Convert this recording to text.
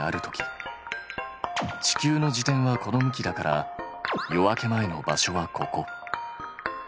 地球の自転はこの向きだから夜明け前の場所はここ。